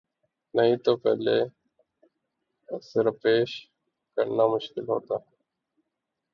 نہیں تو پہلے عذر پیش کرنا مشکل ہوتا۔